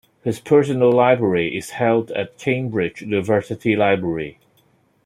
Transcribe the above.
His personal library is held at Cambridge University Library.